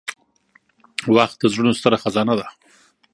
• وخت د زړونو ستره خزانه ده.